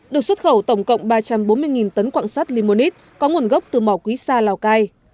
được xuất khẩu tổng cộng ba trăm bốn mươi tấn quạng sắt limonite có nguồn gốc từ mỏ quý xa lào cai